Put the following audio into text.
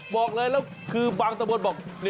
บอกเลยแล้วคือบางตะบนบอก